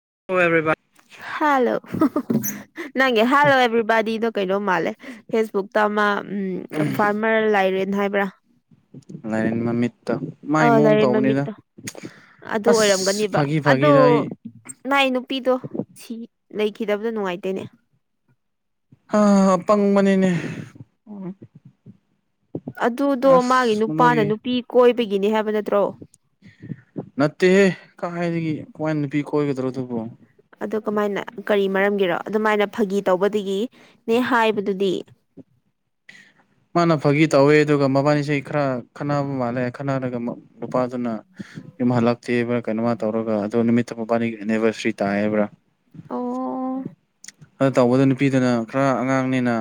[unintelligible] [unintelligible] ꯅꯪꯒꯤ ꯍꯥꯜꯂꯣ ꯑꯦꯕ꯭ꯔꯤꯕꯗꯤꯗꯣ ꯀꯩꯅꯣ ꯃꯥꯜꯂꯦ ꯐꯦꯁꯕꯨꯛꯇ ꯑꯃ ꯎꯝ ꯐꯥꯔꯃꯔ ꯂꯩꯥꯏꯔꯦꯟ ꯍꯥꯏꯕ꯭ꯔ ꯂꯥꯏꯔꯦꯟ ꯃꯃꯤꯠꯇꯣ ꯃꯥꯏ ꯑ ꯃꯋꫭꯡ ꯂꯥꯏꯔꯦꯟ ꯇꯧꯕꯅꯤꯗ ꯃꯃꯤꯠꯇꯣ ꯑꯗꯨ ꯑꯁ ꯑꯣꯏꯔꯝꯒꯅꯦꯕ ꯐꯥꯒꯤ ꯑꯗꫭ ꯐꯥꯒꯤꯗ ꯑꯩ ꯅꯥꯏ ꯅꯨꯄꯤꯗꯣ ꯁꯤ ꯂꯩꯈꯤꯗꯕꯗꯣ ꯅꯨꯡꯉꯥꯏꯇꯦꯅꯦ ꯄꯪꯕꯅꯤꯅꯦ ꯑꯗꯨꯗꯣ ꯃꯥꯒꯤ ꯅꯨꯄꯥꯅ ꯅꯨꯄꯤ ꯀꯣꯏꯕꯒꯤꯅꯤ ꯍꯥꯏꯕ ꯅꯠꯇ꯭ꯔꯣ ꯅꯠꯇꯦꯍꯦ ꯀꯥꯏꯗꯒꯤ ꯀꯃꯥꯏꯅ ꯅꯨꯄꯤ ꯀꯣꯏꯒꯗ꯭ꯔꯣ ꯑꯗꯨ ꯑꯗꯨ ꯀꯃꯥꯏꯅ ꯀꯔꯤ ꯃꯔꯝꯒꯤꯔꯣ ꯑꯗꯨꯃꯥꯏꯅ ꯐꯥꯒꯤ ꯇꯧꯕꯗꯒꯤꯅꯦ ꯍꯥꯏꯕꯗꯨꯗꯤ [inaudible] ꯃꯥꯅ ꯐꯥꯒꯤ ꯇꯧꯋꯦ ꯑꯗꯨꯒ ꯃꯕꯥꯅꯤꯁꯦ ꯈꯔ ꯈꯟꯅꯕ ꯃꯥꯜꯂꯦ ꯈꯟꯅꯔꯒ ꯅꯨꯄꯥꯗꯨꯅ ꯌꯨꯝ ꯍꯜꯂꯛꯇꯦꯕ꯭ꯔ ꯀꯩꯅꯣꯝꯃ ꯇꯧꯔꯒ ꯑꯗꯣ ꯅꯨꯃꯤꯠꯇꯣ ꯃꯕꯥꯅꯤꯒꯤ ꯑꯦꯅꯦꯚꯡꯕꯔꯁꯔꯤ ꯇꯥꯏꯌꯦꯕ꯭ꯔ ꯑꯣ ꯑꯗꯨ ꯇꯧꯕꯗꯨꯗ ꯅꯨꯄꯤꯗꯨꯅ ꯈꯔ ꯑꯉꯥꯡꯅꯤꯅ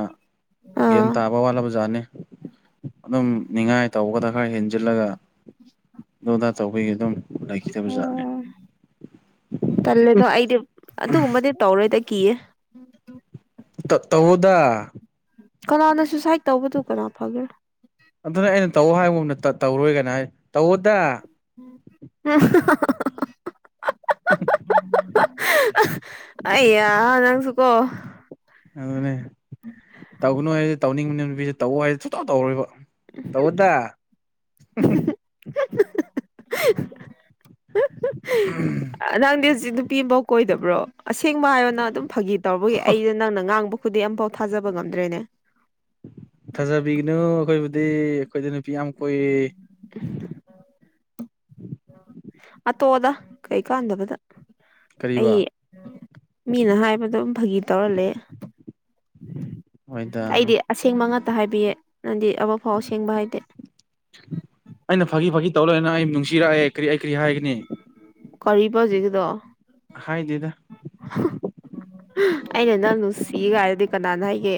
ꯌꯥꯟ ꯑꯥ ꯇꯥꯕ ꯋꯥꯠꯂꯕ ꯖꯥꯠꯅꯤ ꯑꯗꯨꯝ ꯅꯤꯡꯉꯥꯏ ꯇꯧꯕꯗ ꯈꯔ ꯍꯦꯟꯖꯤꯜꯂꯒ ꯂꯨꯅ ꯇꯧꯕꯒꯤ ꯑꯗꯨꯝ ꯂꯩꯈꯤꯗꯕ ꯖꯥꯠꯅꯤ [unintelligible] ꯇꯜꯂꯦꯗꯣ ꯑꯩꯗꯤ ꯑꯗꯨꯒꯨꯝꯕꯗꯤ ꯇꯧꯔꯣꯏꯗ ꯀꯤꯌꯦ ꯇꯧꯋꯣꯗ ꯀꯅꯥꯅ ꯁꯨꯁꯥꯏꯠ ꯇꯧꯕꯗꯨ ꯀꯅꯥ ꯐꯒꯦꯔ ꯑꯗꯨꯅꯦ ꯑꯩꯅ ꯇꯧ ꯍꯥꯏꯕꯒꯨꯝꯅ ꯇꯧꯔꯣꯏ ꯒꯥꯏꯅ ꯍꯥꯏ [unintelligible] ꯇꯧꯑꯣꯗ [unintelligible] ꯑꯌꯥ ꯅꯪꯁꯨꯀꯣ ꯑꯗꯨꯅꯦ ꯇꯧꯒꯅꯨ ꯍꯥꯏꯗꯤ ꯇꯧꯅꯤꯡꯕꯅꯦ ꯅꯨꯄꯤꯁꯦ ꯇꯧꯋꫭ ꯍꯥꯏꯗꯤ ꯁꯨꯡꯇꯧ ꯇꯧꯔꯣꯏꯕ ꯇꯧꯗ [unintelligible] [unintelligible] ꯅꯪꯗꯤ ꯍꯨꯖꯤꯛ ꯅꯨꯄꯤꯕꫭꯛ ꯀꯣꯏꯗꯕ꯭ꯔꯣ ꯑꯁꯦꯡꯕ ꯍꯥꯏꯌꯣ ꯅꯪ ꯑꯗꯨꯝ ꯐꯥꯒꯤ ꯇꯧꯕꯒꯤ ꯑꯩꯩꯗꯣ ꯅꯪꯅ ꯉꯥꯡꯕ ꯈꯨꯗꯤꯡ ꯑꯝꯐꯥꯎ ꯊꯥꯖꯕ ꯉꯝꯗ꯭ꯔꯦꯅꯦ ꯊꯥꯖꯕꯤꯒꯅꯨ ꯑꯈꯣꯏꯕꯨꯗꯤ ꯑꯈꯣꯏꯗꯤ ꯅꯨ ꯄꯤ ꯌꯥꯝ ꯀꯣꯏꯌꯦ ꯑꯇꯣꯗ ꯀꯩ ꯀꯥꯟꯗꯕꯗ ꯀꯔꯤꯕ ꯑꯩ ꯃꯤꯅ ꯍꯥꯏꯕꯗꯨꯝ ꯐꯥꯒꯤ ꯇꯧꯔꯂꯩ ꯍꯣꯏꯗ ꯑꯩꯗꯤ ꯑꯁꯦꯡꯕ ꯉꯥꯛꯇ ꯍꯥꯏꯕꯤꯌꯦ ꯅꯪꯗꯤ ꯑꯃ ꯐꯥꯎ ꯑꯁꯦꯡꯕ ꯍꯥꯏꯗꯦ ꯑꯩꯅ ꯐꯥꯒꯤ ꯐꯥꯒꯤ ꯇꯧ ꯂꯩꯔ ꯅꯪ ꯑꯩꯕꯨ ꯅꯨꯡꯁꯤꯔꯛꯑꯦ ꯀꯔꯤ ꯑꯩ ꯀꯔꯤ ꯍꯥꯏꯒꯅꯤ ꯀꯔꯤꯕ ꯍꯧꯖꯤꯛꯀꯤꯗꯣ ꯍꯥꯏꯗꯦꯗ ꯑꯩꯅ ꯅꯪ ꯅꯨꯡꯁꯤꯒꯥꯏꯗꯨꯗꯤ ꯀꯅꯥꯅ ꯍꯥꯏꯒꯦ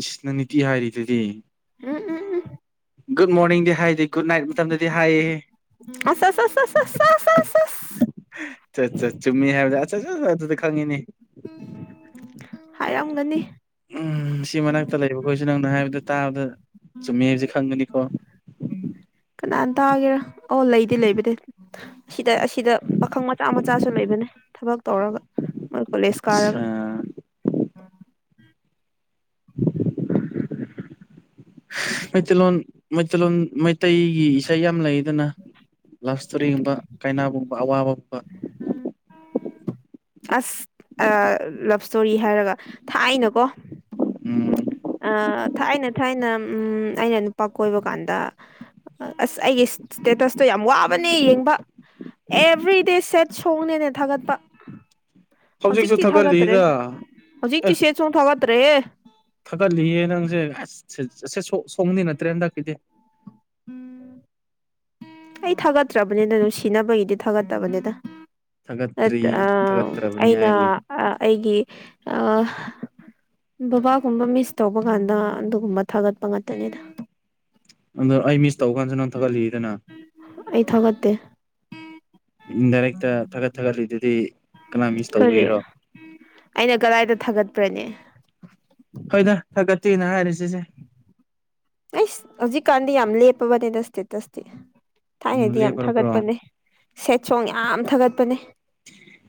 ꯏꯁ ꯅꯪ ꯅꯤꯇꯤ ꯍꯥꯏꯔꯤꯗꯨꯗꯤ ꯎꯝ ꯎꯝ ꯎꯝ ꯒꯨꯗ ꯃꯣꯔꯅꯤꯡꯗꯤ ꯍꯥꯏꯗꯦ ꯒꯨꯠ ꯅꯥꯏꯠ ꯃꯇꯝꯗꯗꯤ ꯍꯥꯏꯌꯦ ꯑꯁ ꯑꯁ ꯑꯁ ꯑꯁ ꯑꯁ ꯑꯁ ꯑꯁ ꯑꯁ ꯆꯥ ꯆꯥ ꯆꯨꯝꯃꯤ ꯍꯥꯏꯕꯗ ꯑꯆꯥꯆꯥ ꯑꯗꯨꯗꯤ ꯈꯪꯉꯤꯅꯦ ꯍꯥꯏꯔꯥꯝꯒꯅꯤ ꯎꯝ ꯁꯤ ꯃꯅꯥꯛꯇ ꯂꯩꯕ ꯈꯣꯏꯁꯨ ꯅꯪ ꯍꯥꯏꯕꯗ ꯇꯥꯕꯗ ꯆꯨꯝꯃꯤ ꯍꯥꯏꯕꯁꯦ ꯈꯪꯕꯅꯤꯀꯣ ꯀꯅꯥꯟ ꯇꯥꯒꯦꯔꯥ ꯑꯣ ꯂꯩꯗꯤ ꯂꯩꯕꯅꯦ ꯑꯁꯤꯗ ꯑꯁꯤꯗ ꯄꯥꯈꯪ ꯃꯆꯥ ꯃꯆꯥꯁꯨ ꯂꯩꯕꯅꯦ ꯊꯕꯛ ꯇꯧꯔꯒ ꯃꯣꯏ ꯀꯣꯂꯦꯖ ꯀꯥꯔꯒ ꯑ ꯃꯩꯇꯩꯂꯣꯟ ꯃꯩꯇꯩꯂꯣꯟ ꯃꯩꯇꯩꯒꯤ ꯏꯁꯩ ꯌꯥꯝ ꯂꯩꯗꯅ ꯂꯞ ꯏꯁꯇꯣꯔꯤꯒꯨꯝꯕ ꯀꯥꯏꯅꯥꯕꯒꯨꯝꯕ ꯑꯋꯥꯕꯒꯨꯝꯕ [inaudible] ꯑꯁ ꯂꯞ ꯏꯁꯇꯣꯔꯤ ꯍꯥꯏꯔꯒ ꯊꯥꯏꯅꯀꯣ ꯎꯝ ꯊꯥꯏꯅ ꯊꯥꯏꯅ ꯑꯩꯅ ꯅꯨꯄꯥ ꯀꯣꯏꯕ ꯀꯥꯟꯗ ꯑꯁ ꯑꯩꯒꯤ ꯇꯁꯇꯣ ꯌꯥꯝ ꯋꯥꯕꯅꯦ ꯌꯦꯡꯕ ꯑꯦꯚ꯭ꯔꯤꯗꯦ ꯁꯦꯠ ꯁꯣꯡꯅꯦꯅꯦ ꯊꯥꯒꯠꯄ ꯍꯧꯖꯤꯛꯁꯨ ꯍꯧꯖꯤꯛꯇꯤ ꯊꯒꯇ꯭ꯔꯦ ꯊꯥꯒꯠꯂꯤꯗ ꯍꯧꯖꯤꯛꯇꯤ ꯁꯦꯁ ꯊꯒꯇ꯭ꯔꯦ ꯊꯥꯒꯠꯂꯤꯌꯦꯦ ꯅꯪꯁꯦ ꯑꯁ ꯑꯁ ꯁꯣꯛꯗꯤ ꯅꯠꯇ꯭ꯔꯦ ꯍꯟꯗꯛꯀꯤꯗꯤ ꯑꯩ ꯊꯥꯒꯠꯇ꯭ꯔꯕꯅꯤꯅ ꯅꯨꯡꯁꯤꯅꯕꯒꯤꯗꯤ ꯊꯥꯒꯠꯇꯕꯅꯤꯗ ꯑ ꯊꯥꯒꯠꯇ꯭ꯔꯤ ꯊꯥꯒꯠꯇ꯭ꯔꯕꯅꯤ ꯑꯩꯅ ꯍꯥꯏꯔꯤ ꯑꯩꯒꯤ ꯑ ꯕꯕꯥꯒꯨꯝꯕ ꯃꯤꯁ ꯇꯧꯕ ꯀꯥꯟꯗ ꯑꯗꯨꯒꯨꯝꯕ ꯊꯥꯒꯠꯄ ꯉꯥꯛꯇꯅꯤꯗ ꯑꯗꯣ ꯑꯩ ꯃꯤꯁ ꯇꯧ ꯀꯥꯟꯁꯤ ꯅꯪ ꯊꯥꯒꯠꯂꯤꯗꯅ ꯑꯩ ꯊꯥꯒꯠꯇꯦ ꯗꯥꯏꯔꯦꯛꯇ ꯊꯥꯒꯠ ꯊꯥꯒꯠꯂꯤꯗꯨꯗꯤ ꯀꯅꯥ ꯃꯤꯁ ꯇꯧꯕꯤꯔꯣ ꯑꯩꯅ ꯒꯗꯥꯥꯏꯗ ꯊꯥꯒꯠꯄ꯭ꯔꯅꯦ ꯇꯤꯅ ꯍꯥꯏꯔꯤꯁꯤꯁꯦ ꯑꯩꯁ ꯍꯧꯖꯤꯛꯀꯥꯟꯗꯤ ꯌꯥꯝ ꯂꯦꯄꯕꯅꯦꯗ ꯑꯁꯤꯇꯁ ꯎꯝ ꯊꯥꯏꯅꯩꯗꯤ ꯌꯥꯝ ꯂꯦꯞꯄ꯭ꯔꯕ꯭ꯔꯣ ꯊꯥꯒꯠꯄꯅꯦ ꯁꯦꯠ ꯁꯣꯡ ꯌꯥꯝ ꯊꯥꯒꯠꯄꯅꯦ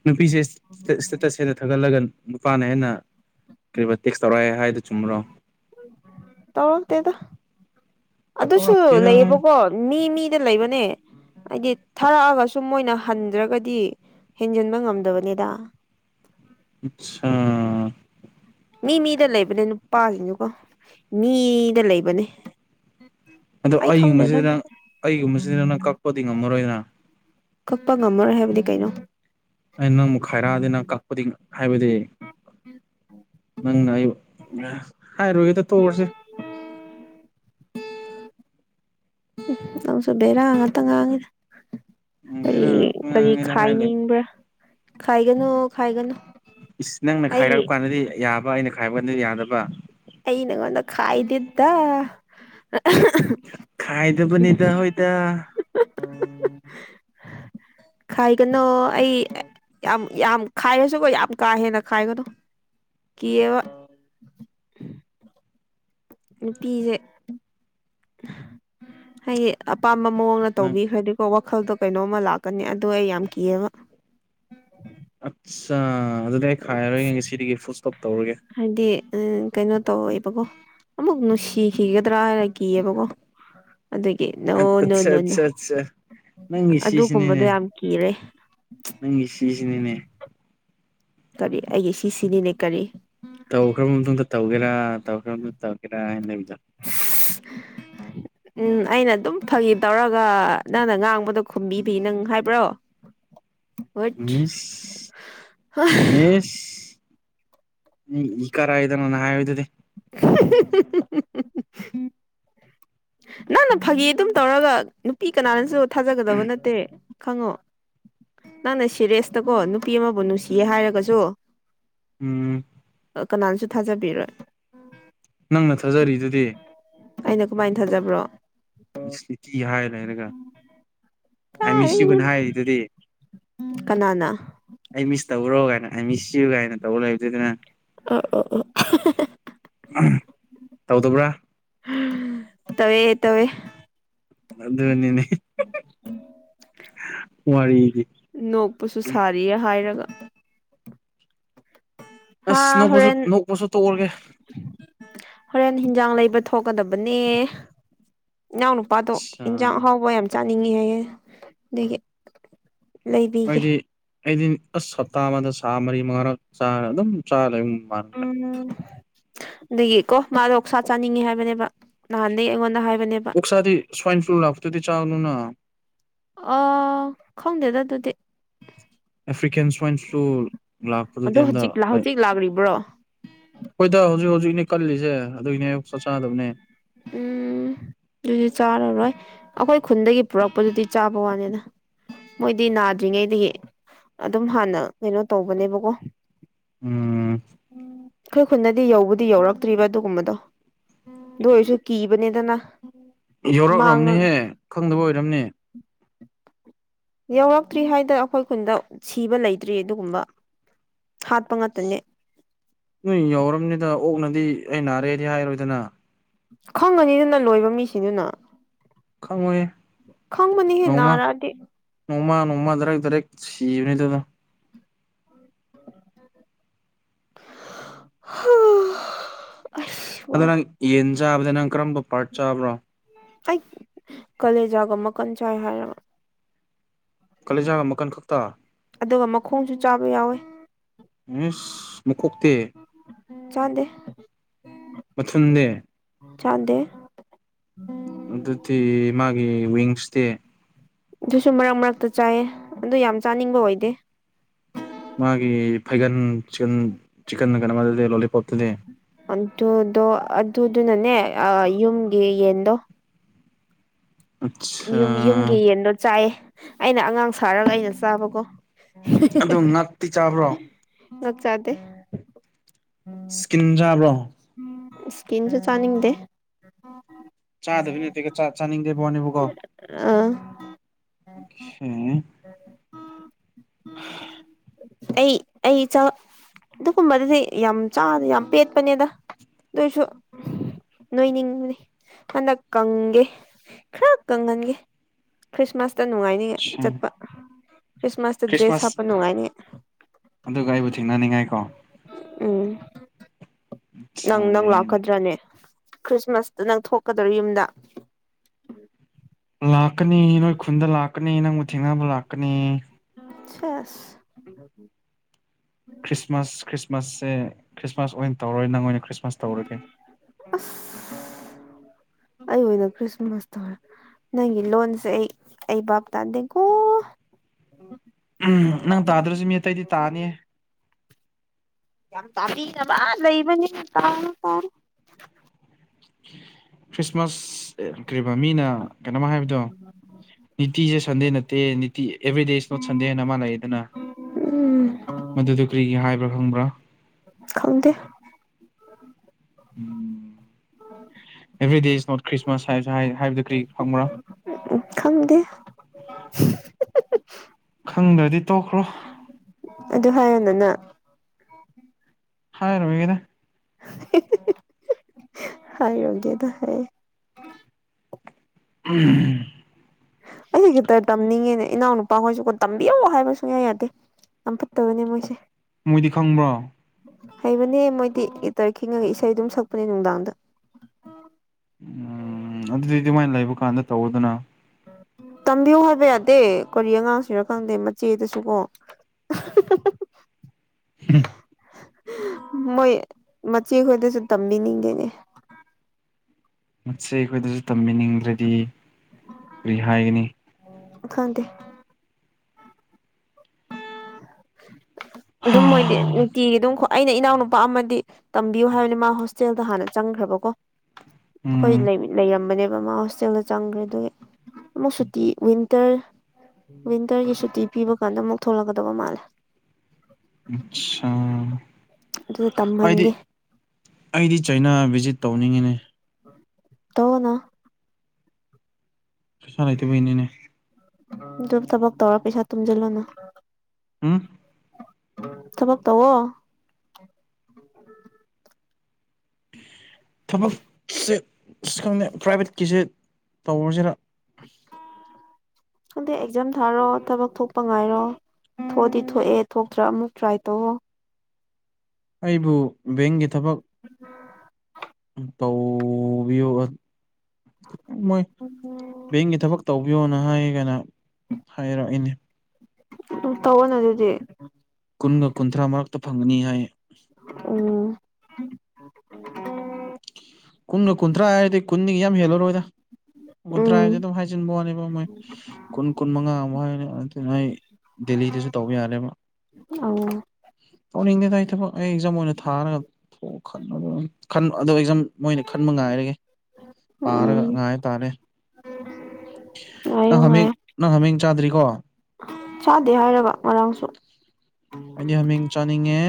ꯅꯨꯄꯤꯁꯦ ꯏꯁꯇꯦꯇꯁ ꯍꯦꯟꯅ ꯊꯥꯒꯠꯂꯒꯅꯤ ꯅꯨꯄꯥꯅ ꯍꯦꯟꯅ ꯀꯔꯤꯨꯝ ꯇꯦꯛꯁ ꯇꯧꯔꯛꯑꯦ ꯍꯥꯏꯗꯨ ꯆꯨꯝꯃꯨꯔꯣ ꯇꯧꯔꯛ ꯇꯦꯗ ꯑꯗꯨꯁꯨ ꯇꯧꯔꯛꯇꯦꯗ ꯂꯩꯌꯦꯕꯀꯣ ꯃꯤ ꯃꯤꯗ ꯂꯩꯕꯅꯦ ꯍꯥꯏꯗꯤ ꯊꯥꯔꯛꯑꯒ ꯁꯨꯝ ꯃꯣꯏꯅ ꯍꯟꯗ꯭ꯔꯒꯗꯤ ꯍꯦꯟꯖꯤꯟꯕ ꯉꯝꯗꯕꯅꯤꯗ ꯑꯁꯆꯥꯥ ꯃꯤ ꯃꯤꯗ ꯂꯩꯕꯅꯦ ꯅꯨꯄꯥꯁꯤꯡꯁꯨꯀꯣ ꯃꯤꯗ ꯂꯩꯕꯅꯦ ꯑꯗꯣ ꯑꯩ ꯈꯪꯗꯦꯗ ꯑꯩꯒꯨꯝꯕꯁꯤꯗꯤ ꯅꯪ ꯑꯗꯨꯗꯤ ꯑꯩꯒꯨꯝꯕꯁꯤꯗ ꯅꯪ ꯀꯛꯄꯗꯤ ꯉꯝꯃꯔꯣꯏꯗꯅ ꯀꯛꯄ ꯉꯝꯃꯔꯣꯏ ꯍꯥꯏꯕꯗꯤ ꯀꯩꯅꯣ ꯑꯩ ꯅꯪꯕꯨ ꯈꯥꯏꯔꯛꯑꯗꯤ ꯅꯪ ꯀꯛꯄꯗꯤ ꯍꯥꯏꯕꯗꯤ ꯅꯪꯅ ꯑꯩꯕꯨ ꯍꯥꯏꯔꯣꯏꯗ ꯇꯣꯛꯔꯁꯤ ꯅꯪꯁꯨ ꯕꯦꯔꯥ ꯉꯥꯛꯇ ꯉꯥꯡꯉꯤꯗ ꯀꯔꯤ ꯈꯪꯗꯦꯅ ꯀꯔꯤ ꯄꯪꯉꯥꯡꯉꯤꯗ ꯍꯥꯏ ꯂꯩ ꯈꯥꯏꯅꯤꯡꯕ꯭ꯔꯥ ꯈꯥꯏꯒꯅꯨ ꯈꯥꯏꯒꯅꯨ ꯏꯁ ꯅꯪꯅ ꯑꯩ ꯈꯥꯏꯔꯛꯄ ꯀꯥꯟꯗꯗꯤ ꯌꯥꯕ ꯑꯩꯅ ꯈꯥꯏꯕ ꯀꯥꯟꯗꯗꯤ ꯌꯥꯗꯕ ꯑꯩꯅ ꯅꯉꯣꯟꯗ ꯈꯥꯏꯗꯦꯗ ꯈꯥꯏꯗꯕꯅꯤꯗ ꯍꯣꯏꯗ [inaudible] ꯈꯥꯏꯒꯅꯣ ꯑꯩ ꯌꯥꯝ ꯌꯥꯝ ꯈꯥꯏꯔꯁꯨ ꯀꯣ ꯌꯥꯝ ꯀꯥ ꯍꯦꯟꯅ ꯈꯥꯏꯒꯅꯣ ꯀꯤꯔꯕ ꯅꯨꯄꯤꯁꯦ ꯍꯥꯏꯗꯤ ꯑꯄꯥꯝꯕ ꯃꯉꯣꯟꯗ ꯅꯪ ꯇꯧꯕꯤꯈ꯭ꯔꯗꯤꯀꯣ ꯋꯥꯈꯜꯗꯣ ꯀꯩꯅꯣꯝꯃ ꯂꯥꯛꯀꯅꯤ ꯑꯗꯨ ꯑꯩ ꯌꯥꯝ ꯀꯤꯌꯦꯕ ꯑꯠꯆꯥ ꯑꯗꯨꯗꯤ ꯑꯩ ꯈꯥꯏꯔꯔꯣꯏ ꯌꯦ ꯉꯁꯤꯗꯒꯤ ꯐꯨꯜꯇꯣꯞ ꯍꯥꯏꯗꯤ ꯑꯥ ꯀꯩꯅꯣ ꯇꯧꯌꯦꯕꯀꯣ ꯑꯃꯨꯛ ꯅꯨꯡꯁꯤꯈꯤꯒꯤꯗ꯭ꯔ ꯍꯥꯏꯅ ꯀꯤꯌꯦꯕꯀꯣ ꯑꯗꯨꯒꯤ ꯅꯣꯅꯣ ꯑꯠꯆꯥ ꯅꯣ ꯑꯠꯆꯥ ꯑꯠꯆꯥ ꯅꯪꯒꯤ ꯑꯗꯨꯒꯨꯝꯕꯗꯣ ꯁꯤꯁꯤꯅꯤꯅꯦ ꯌꯥꯝ ꯀꯤꯔꯦ ꯅꯪꯒꯤ ꯁꯤꯁꯤꯅꯤꯅꯦ ꯀꯔꯤ ꯑꯩꯒꯤ ꯁꯤꯁꯤꯅꯤꯅꯦ ꯀꯔꯤ ꯇꯧꯈ꯭ꯔꯕ ꯃꯇꯨꯡꯗ ꯇꯧꯒꯦꯔꯥ ꯇꯧꯈ꯭ꯔꯕ ꯃꯇꯨꯡꯗ ꯇꯧꯒꯦꯔꯥ ꯍꯥꯏꯅ ꯂꯩꯕꯗꯣ [inaudible] ꯎꯝ ꯑꯩꯅ ꯑꯗꯨꯝ ꯐꯒꯤ ꯇꯧꯔꯒ ꯅꯪꯅ ꯉꯥꯡꯕꯗꯣ ꯈꯨꯝꯕꯤꯕꯤ ꯅꯪ ꯍꯥꯏꯕ꯭ꯔꯣ ꯋꯠ ꯏꯁ ꯏꯁ ꯏ ꯀꯔꯛꯌꯦ ꯅꯪ ꯑꯗꯨꯃꯥꯏ ꯍꯥꯏꯕꯗꯨꯗꯤ ꯍꯤ ꯍꯤ ꯍꯤ ꯅꯪꯅ ꯐꯥꯒꯤ ꯑꯗꯨꯝ ꯇꯧꯔꯒ ꯅꯨꯄꯤ ꯀꯅꯥꯅꯁꯨ ꯊꯥꯖꯒꯗꯕ ꯅꯠꯇꯦ ꯈꯪꯉꯣ ꯅꯪꯅ ꯁꯤꯔꯤꯌꯁꯇꯀꯣ ꯅꯨꯄꯤ ꯑꯃꯕꯨ ꯅꯨꯡꯁꯤꯌꯦ ꯍꯥꯏꯔꯒꯁꯨ ꯎꯝ ꯀꯅꯥꯅꯁꯨ ꯊꯥꯖꯕꯤꯔꯣꯏ ꯅꯪꯅ ꯊꯥꯖꯔꯤꯗꯨꯗꯤ ꯑꯩꯅ ꯀꯃꯥꯏ ꯊꯥꯖꯕ꯭ꯔꯣ ꯇꯤꯊꯤ ꯍꯥꯏ ꯂꯩꯔꯒ ꯑꯥꯏ ꯃꯤꯁ ꯌꯨꯅ ꯀꯥꯏꯗꯩꯅꯣꯗ ꯍꯥꯏꯔꯤꯗꯨꯗꯤ ꯀꯅꯥꯅ ꯕꯔꯣꯍꯥꯏꯅ ꯑꯥꯏ ꯃꯤꯁ ꯌꯨ ꯀꯥꯏꯅ ꯇꯧ ꯂꯩꯕꯗꯨꯅ ꯑ ꯑ ꯇꯧꯗꯕ꯭ꯔꯥ ꯑ ꯇꯧꯋꯦ ꯇꯧꯋꯦ ꯑꯗꯨꯅꯤꯅꯦ ꯎꯝ ꯋꯥꯔꯤꯗꯤ ꯅꯣꯛꯄꯁꯨ ꯁꯥꯔꯤꯌꯦ ꯍꯥꯏꯔꯒ ꯍꯥ ꯑꯁ ꯅꯣꯛꯄꯁꯨ ꯍꯣꯔꯦꯟ ꯅꯣꯛꯄꯁꯨ ꯇꯣꯛꯑꯒꯦ ꯍꯣꯔꯦꯟ ꯍꯤꯟꯖꯥꯡ ꯂꯩꯕ ꯊꯣꯛ ꯊꯣꯛꯀꯗꯕꯅꯦ ꯏꯅꯥꯎꯅꯨꯄꯥꯗꯣ ꯑ ꯌꯦꯟꯁꯥꯡ ꯑꯍꯥꯎꯕ ꯌꯥꯝ ꯆꯥꯅꯤꯡꯉꯤ ꯍꯥꯏꯌꯦ ꯑꯗꯨꯒꯤ ꯍꯥꯏꯗꯤ ꯑꯩꯗꯤ ꯑꯁ ꯍꯞꯇꯥ ꯑꯃꯗ ꯁꯥ ꯃꯔꯤ ꯃꯉꯥꯔꯔꯛ ꯆꯥꯔ ꯑꯗꯨꯝ ꯆꯥꯔ ꯂꯩ ꯎꯝ ꯑꯗꯨꯒꯤꯀꯣ ꯃꯥꯗꯣ ꯑꯣꯛꯁꯥ ꯆꯥꯅꯤꯡꯉꯦ ꯍꯥꯏꯕꯅꯦꯕ ꯅꯍꯥꯟꯗꯒꯤ ꯑꯩꯉꯣꯟꯗ ꯍꯥꯏꯕꯅꯦꯕ ꯑꯣꯛꯁꯥꯗꯤ ꯁ꯭ꯋꯥꯏꯟ ꯐ꯭ꯂꯨ ꯂꯥꯛꯄꯗꯨꯗꯤ ꯆꯥꯒꯅꯨꯅ ꯑꯣ ꯈꯪꯗꯦꯗ ꯑꯗꯨꯗꯤ ꯑꯐ꯭ꯔꯤꯀꯦꯟ ꯁ꯭ꯋꯥꯏꯟ ꯐ꯭ꯂꯨ ꯑꯗꯣ ꯂꯥꯛꯄꯗꯨꯗꯤ ꯍꯧꯖꯤꯛ ꯍꯟꯗꯛ ꯍꯧꯖꯤꯛ ꯂꯥꯛꯂꯤꯕ꯭ꯔꯣ ꯍꯣꯏꯗ ꯍꯧꯖꯤꯛ ꯍꯧꯖꯤꯛꯅꯦ ꯀꯜꯂꯤꯁꯦ ꯑꯗꯨꯏꯅꯦ ꯑꯣꯛꯁꯥ ꯆꯥꯗꯕꯅꯦ ꯎꯝ ꯑꯗꯨꯗꯤ ꯆꯥꯔꯔꯣꯏ ꯑꯩꯈꯣꯏ ꯈꯨꯟꯗꯒꯤ ꯄꯨꯔꯛꯄꯗꯨꯗꯤ ꯆꯥꯕ ꯋꯥꯅꯤꯗ ꯃꯣꯏꯗꯤ ꯅꯥꯗ꯭ꯔꯤꯉꯩꯗꯒꯤ ꯑꯗꯨꯝ ꯍꯥꯟꯅ ꯀꯩꯅꯣ ꯇꯧꯕꯅꯦꯕꯀꯣ ꯎꯝ ꯎꯝ ꯑꯩꯈꯣꯏ ꯈꯨꯟꯗꯗꯤ ꯌꯧꯕꯨꯗꯤ ꯌꯧꯔꯛꯇ꯭ꯔꯤꯕ ꯑꯗꯨꯒꯨꯝꯕꯗꯣ ꯑꯗꯨ ꯑꯣꯏꯔꯁꯨ ꯀꯤꯕꯅꯤꯗꯅ ꯌꯧꯔꯛ ꯃꯥꯡꯉ ꯑꯝꯅꯤꯍꯦ ꯈꯪꯗꯕ ꯑꯣꯏꯔꯝꯅꯤ ꯌꯧꯔꯛꯇ꯭ꯔꯤ ꯍꯥꯏꯗ ꯑꯩꯈꯣꯏ ꯈꯨꯟꯗ ꯁꯤꯕ ꯂꯩꯇ꯭ꯔꯤ ꯑꯗꯨꯒꯨꯝꯕ ꯍꯥꯠꯄ ꯉꯥꯛꯇꯅꯦ ꯅꯣꯏ ꯌꯧꯔꯝꯅꯤꯗ ꯑꯣꯛꯅꯗꯤ ꯑꯩ ꯅꯥꯔꯦꯗꯤ ꯍꯥꯏꯔꯣꯏꯗꯅ ꯈꯪꯒꯅꯤꯗꯅ ꯂꯣꯏꯕ ꯃꯤꯁꯤꯡꯗꯨꯅ ꯈꯪꯉꯣꯏꯌꯦ ꯈꯪꯕꯅꯤꯍꯦ ꯅꯣꯡꯃ ꯅꯥꯔꯛꯑꯗꯤ ꯅꯣꯡꯃ ꯅꯣꯡꯃ ꯗꯥꯏꯔꯦꯛ ꯗꯥꯏꯔꯦꯛ ꯁꯤꯕꯅꯦꯗ ꯍꯥ ꯑꯗꯣ ꯅꯪ ꯌꯦꯟ ꯆꯥꯕꯗ ꯅꯪ ꯀꯔꯝꯕ ꯄꯥꯔꯠ ꯆꯥꯕ꯭ꯔꯣ ꯑꯩ ꯀꯂꯦꯖꯥꯒ ꯃꯀꯟ ꯆꯥꯏ ꯍꯥꯏꯔꯒ ꯀꯂꯦꯖꯥꯒ ꯃꯀꯟ ꯈꯛꯇꯥ ꯑꯗꯨꯒ ꯃꯈꯣꯡꯁꯨ ꯆꯥꯕ ꯌꯥꯎꯋꯦ ꯏꯁ ꯃꯀꯣꯛꯇꯤ ꯆꯥꯗꯦ ꯃꯊꯨꯟꯗꯤ ꯆꯥꯗꯦ ꯑꯗꯨꯗꯤ ꯃꯥꯒꯤ ꯋꯤꯡꯁꯇꯤ ꯑꯗꯨꯁꯨ ꯃꯔꯛ ꯃꯔꯛꯇ ꯆꯥꯏꯌꯦ ꯑꯗꯨ ꯌꯥꯝ ꯆꯥꯅꯤꯡꯕ ꯑꯣꯏꯗꯦ ꯃꯥꯒꯤ ꯐꯩꯒꯟ ꯆꯤꯀꯟ ꯆꯤꯀꯟ ꯀꯩꯅꯣꯃꯗꯤ ꯂꯣꯂꯤꯄꯣꯞꯇꯨꯗꯤ ꯑꯗꯨꯗꯣ ꯑꯗꯨꯗꯨꯅꯅꯦ ꯌꯨꯝꯒꯤ ꯌꯦꯟꯗꯣ ꯑꯠꯁꯥ ꯌꯨꯝ ꯌꯨꯝꯒꯤ ꯌꯦꯟꯗꯣ ꯆꯥꯏꯌꯦ ꯑꯩꯅ ꯑꯉꯥꯡ ꯁꯥꯔꯒ ꯑꯩꯅ ꯆꯥꯕꯀꯣ ꯑꯗꯨ ꯉꯛꯇꯤ ꯆꯥꯕ꯭ꯔꯣ ꯉꯛ ꯆꯥ ꯁꯀꯤꯟ ꯆꯥꯕ꯭ꯔꯣ ꯑꯝ ꯁꯀꯤꯟꯁꯨ ꯆꯥꯅꯤꯡꯗꯦ ꯆꯥꯗꯕꯤ ꯅꯠꯇꯦꯒ ꯆꯥ ꯆꯥꯅꯤꯡꯗ ꯕꯋꯥꯅꯦꯕꯀꯣ ꯑꯥ [unintelligible] [unintelligible] ꯑꯩ ꯑꯩ ꯆ ꯑꯗꯨꯒꯨꯝꯕꯗꯨꯗꯤ ꯌꯥꯝ ꯆꯥꯗꯦ ꯌꯥꯝ ꯄꯦꯠꯄꯅꯦꯗ ꯑꯗꯨꯏꯁꯨ ꯅꯣꯏꯅꯤꯡꯕꯅꯤ ꯍꯟꯗꯛ ꯀꯪꯒꯦ ꯈꯔ ꯀꯪꯍꯟꯒꯦ ꯈ꯭ꯔꯤꯁꯃꯥꯁꯇ ꯅꯨꯡꯉꯥꯏꯅꯤꯡꯉꯥꯏ ꯑꯠꯆꯥ ꯆꯠꯄ ꯈ꯭ꯔꯤꯁꯃꯥꯁꯇ ꯗ꯭ꯔꯦꯁ ꯈ꯭ꯔꯤꯁꯃꯥꯁ ꯍꯥꯞꯄ ꯅꯨꯡꯉꯥꯏꯅꯤ ꯑꯗꯨꯒ ꯑꯩꯕꯨ ꯊꯦꯡꯅꯅꯤꯡꯉꯥꯏ ꯀꯣ ꯎꯝ ꯑꯠꯆꯥ ꯅꯪ ꯅꯪ ꯌꯥꯏꯅꯦ ꯂꯥꯛꯀꯗ꯭ꯔꯅꯦ ꯈ꯭ꯔꯤꯁꯃꯥꯁꯇ ꯅꯪ ꯊꯣꯛꯀꯗꯔꯣ ꯌꯨꯝꯗ ꯂꯥꯛꯀꯅꯤ ꯅꯣꯏ ꯈꯨꯟꯗ ꯂꯥꯛꯀꯅꯤ ꯅꯪꯕꯨ ꯊꯦꯡꯅꯕ ꯂꯥꯛꯀꯅꯤ ꯁꯦꯁ ꯈ꯭ꯔꯤꯁꯃꯥꯁ ꯈ꯭ꯔꯤꯁꯃꯥꯁꯁꯦ ꯈ꯭ꯔꯤꯁꯃꯥꯁ ꯑꯣꯏꯟ ꯇꯧꯔꯣꯏ ꯅꯪ ꯑꯣꯏꯅ ꯈ꯭ꯔꯤꯁꯃꯥꯁ ꯇꯧꯔꯒꯦ ꯑꯁ ꯑꯩ ꯑꯣꯏꯅ ꯈ꯭ꯔꯤꯁꯃꯥꯁ ꯇꯧꯔ ꯅꯪꯒꯤ ꯂꯣꯟꯁꯦ ꯑꯩ ꯑꯩ ꯚꯥꯞ ꯇꯥꯗꯦꯀꯣ [inaudible] ꯎꯨꯝ ꯅꯪ ꯇꯥꯗ꯭ꯔꯁꯨ ꯃꯤ ꯑꯇꯩꯗꯤ ꯇꯥꯅꯤꯌꯦ ꯌꯥꯝ ꯇꯥꯕꯤꯅꯕ ꯂꯩꯕꯅꯤꯅ [unintelligible] ꯈ꯭ꯔꯤꯁꯃꯥꯁ ꯀꯔꯤꯕ ꯃꯤꯅ ꯀꯩꯅꯣꯝ ꯍꯥꯏꯕꯗꯣ ꯅꯤꯇꯤꯁꯦ ꯁꯟꯗꯦ ꯅꯠꯇꯦ ꯅꯤꯇꯤ ꯑꯦꯕ꯭ꯔꯤꯗꯦ ꯏꯁ ꯅꯣꯠ ꯁꯟꯗꯦ ꯍꯥꯏꯅ ꯑꯃꯥ ꯂꯩꯥꯑꯦꯗꯅ ꯎꯝ ꯃꯗꯨꯗ ꯀꯔꯤꯒꯤ ꯍꯥꯏꯕ꯭ꯔꯥ ꯈꯪꯕ꯭ꯔꯥ ꯈꯪꯗꯦ [inaudible] ꯑꯦꯚ꯭ꯔꯤꯗꯦ ꯏꯁ ꯅꯣꯠ ꯈ꯭ꯔꯤꯁꯃꯥꯁ ꯍꯥꯏꯁꯨ ꯍꯥꯏ ꯍꯥꯏꯕꯗꯨ ꯀꯔꯤ ꯈꯪꯕ꯭ꯔꯥ ꯈꯪꯗꯦ ꯈꯪꯗ꯭ꯔꯗꯤ ꯇꯣꯛꯈ꯭ꯔꯣ ꯑꯗꯨ ꯍꯥꯏꯌꯣꯅꯅ ꯍꯥꯏꯔꯣꯏꯒꯦꯗ ꯍꯥꯏꯔꯣꯏꯒꯦꯗ ꯍꯥꯏ [unintelligible] ꯑꯩꯗꯤ ꯒꯤꯇꯔ ꯇꯝꯅꯤꯡꯉꯦꯅꯦ ꯏꯅꯥꯎꯅꯨꯄꯥ ꯍꯣꯏꯁꯨꯀꯣ ꯇꯝꯕꯤꯌꯣ ꯍꯥꯏꯕ ꯁꯨꯡꯌꯥ ꯌꯥꯗꯦ ꯌꯥꯝ ꯐꯠꯇꯕꯅꯦ ꯃꯣꯏꯁꯦ ꯃꯣꯏꯗꯤ ꯈꯪꯕ꯭ꯔꯣ ꯍꯩꯕꯅꯦ ꯃꯣꯏꯗꯤ ꯒꯤꯇꯔ ꯈꯤꯡꯉꯒ ꯏꯁꯩ ꯑꯗꯨꯝ ꯁꯛꯄꯅꯦ ꯅꯨꯡꯗꯥꯡꯗ ꯎꯝ ꯑꯗꯨꯗꯤ ꯃꯣꯏ ꯂꯩꯕ ꯀꯥꯟꯗ ꯇꯧꯑꯣꯗꯅ ꯇꯝꯕꯤꯌꯣ ꯍꯥꯏꯕ ꯌꯥꯗꯦ ꯀꯔꯤ ꯑꯉꯥꯡꯁꯤꯔ ꯈꯪꯗꯦ ꯃꯆꯦꯗꯁꯨ ꯀꯣ [unintelligible] ꯃꯣꯏ ꯃꯆꯦꯈꯣꯏꯗꯁꯨ ꯇꯝꯕꯤꯅꯤꯡꯗꯦꯅꯦ ꯃꯆꯦ ꯈꯣꯏꯗꯁꯨ ꯇꯝꯕꯤꯅꯤꯡꯗ꯭ꯔꯗꯤ ꯀꯔꯤ ꯍꯥꯏꯒꯅꯤ ꯈꯪꯗꯦ ꯑꯗꯨꯝ ꯃꯣꯏꯗꯤ ꯅꯨꯡꯇꯤꯒꯤ ꯑꯗꯨꯝ ꯈꯣ ꯑꯩꯅ ꯏꯅꯥꯎꯅꯨꯄꯥ ꯑꯃꯗꯤ ꯇꯝꯕꯤꯌꯣ ꯍꯥꯏꯕꯅꯦ ꯃꯥ ꯍꯣꯁꯇꯦꯜꯗ ꯍꯥꯟꯅ ꯆꯪꯈ꯭ꯔꯕꯀꯣ ꯈꯣꯏ ꯎꯝ ꯂꯩꯃꯤ ꯂꯩꯔꯝꯕꯅꯦ ꯃꯃꯥ ꯍꯣꯁꯇꯦꯜꯗ ꯆꯪꯒ꯭ꯔꯦ ꯑꯗꯨꯒꯤ ꯑꯃꯨꯛ ꯁꯨꯇꯤ ꯋꯤꯟꯇꯔ ꯋꯤꯟꯇꯔꯒꯤ ꯁꯨꯇꯤ ꯄꯤꯕ ꯀꯥꯟꯗ ꯑꯃꯨꯛ ꯊꯣꯛꯂꯛꯀꯗꯕ ꯃꯥꯜꯂꯦ ꯑꯠꯁꯥ ꯑꯗꯨꯗ ꯑꯩꯗꯤ ꯇꯝꯍꯟꯒꯦ ꯑꯩꯗꯤ ꯆꯩꯅꯥ ꯚꯤꯖꯤꯠ ꯇꯧꯅꯤꯡꯉꯤꯅꯦ ꯇꯧꯋꯣꯅ ꯄꯩꯁꯥ ꯂꯩꯇꯕꯩꯅꯤꯅꯦ ꯗꯨꯝ ꯊꯕꯛ ꯇꯧꯔ ꯄꯩꯁꯥ ꯇꯨꯡꯖꯜꯂꯣꯅ ꯎꯨꯝ ꯊꯕꯛ ꯇꯧꯋꯣ ꯊꯕꯛꯁꯦ ꯈꯪꯗꯦ ꯄ꯭ꯔꯥꯏꯚꯦꯠꯀꯤꯁꯦ ꯇꯧꯔꯁꯤꯔ [inaudible] ꯍꯟꯗꯛ ꯑꯦꯛꯖꯥꯝ ꯊꯥꯔꯣ ꯊꯕꯛ ꯊꯣꯛꯄ ꯉꯥꯏꯔꯣ ꯊꯣꯛꯑꯗꯤ ꯊꯣꯛꯑꯦ ꯊꯣꯛꯇ꯭ꯔ ꯑꯃꯨꯛ ꯇ꯭ꯔꯥꯏ ꯇꯧꯑꯣ ꯑꯩꯕꯨ ꯕꯦꯡꯒꯤ ꯊꯕꯛ ꯇꯧꯕꯤꯌꯣ ꯑꯠ ꯃꯣꯏ ꯕꯦꯡꯒꯤ ꯊꯕꯛ ꯇꯧꯕꯤꯌꯣꯅ ꯍꯥꯏ ꯀꯅꯥ ꯍꯥꯏꯔꯛꯏꯅꯦ ꯇꯧꯋꯣꯅ ꯑꯗꯨꯗꯤ ꯀꯨꯟꯒ ꯀꯨꯟꯊ꯭ꯔꯥ ꯃꯔꯛꯇ ꯐꯪꯒꯅꯤ ꯍꯥꯏ ꯎꯝ [unintelligible] ꯀꯨꯟꯒ ꯀꯨꯟꯊ꯭ꯔꯥ ꯍꯥꯏꯔꯗꯤ ꯀꯨꯟꯗꯒꯤ ꯌꯥꯝ ꯍꯦꯜꯂꯔꯣꯏꯗ ꯎꯝ ꯀꯨꯟꯊ꯭ꯔꯥꯗꯤ ꯑꯗꯨꯝ ꯍꯥꯏꯖꯤꯟꯕ ꯋꯥꯅꯦꯕ ꯃꯣꯏ ꯀꯨꯟ ꯀꯨꯟ ꯃꯉꯥ ꯑꯃꯨꯛ ꯍꯥꯏꯅꯤ ꯉꯥꯏ ꯗꯦꯜꯂꯤꯗꯁꯨ ꯇꯧꯕ ꯌꯥꯔꯦꯕ ꯑꯧ ꯇꯧꯅꯤꯡꯗꯦꯗ ꯑꯩ ꯊꯕꯛ ꯑꯩ ꯑꯦꯛꯖꯥꯝ ꯑꯣꯏꯅ ꯊꯥꯔꯒ ꯊꯣꯛ ꯈꯟ ꯑꯗꯣ ꯑꯦꯛꯖꯥꯝ ꯃꯣꯏꯅ ꯈꯟꯕ ꯉꯥꯏꯔꯒꯦ ꯄꯥꯔꯒ ꯎꯝ ꯉꯥꯏꯕ ꯇꯥꯔꯦ [unintelligible] ꯉꯥꯏꯌꯣ ꯅꯪ ꯍꯥꯃꯦꯡ ꯉꯥꯏꯌꯣ ꯅꯪ ꯍꯥꯃꯦꯡ ꯆꯥꯗ꯭ꯔꯤꯀꯣ ꯆꯥꯗꯦ ꯍꯥꯏꯔꯒ ꯉꯔꯥꯡꯁꯨ ꯑꯩꯗꯤ ꯍꯥꯃꯦꯡ ꯆꯥꯅꯤꯡꯉꯦ